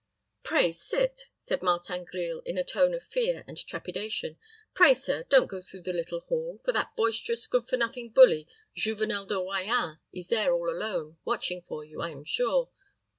"Pray, sit," said Martin Grille, in a tone of fear and trepidation. "pray, sir, don't go through the little hall; for that boisterous, good for nothing bully, Juvenel de Royans, is there all alone, watching for you, I am sure.